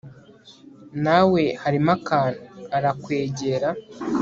nawe, harimo akantu. arakwegera